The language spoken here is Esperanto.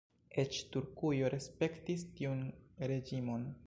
Eĉ Turkujo respektis tiun reĝimon.